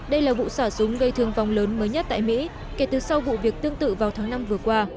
đây là vụ xả súng gây thương vong lớn mới nhất tại mỹ kể từ sau vụ việc tương tự vào tháng năm vừa qua